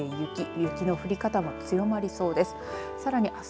雪の降り方も強まりそうです。